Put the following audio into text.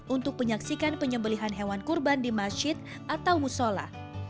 untuk penyaksikan penyembelian hewan kurban di masjid atau musola